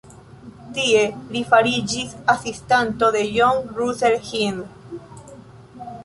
Tie li fariĝis asistanto de John Russell Hind.